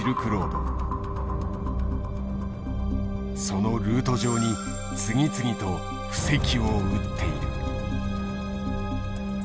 そのルート上に次々と布石を打っている。